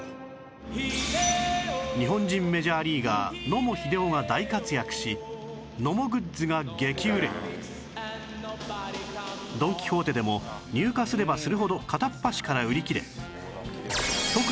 日本人メジャーリーガー野茂英雄が大活躍しドン・キホーテでも入荷すればするほど片っ端から売り切れ